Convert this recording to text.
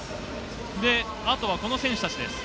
あとはこの選手たちです。